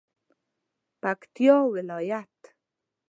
پکتیا ولایت